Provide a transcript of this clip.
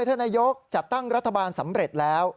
ถ้านายกจัดตั้งรัฐบาลสำเร็จแล้ว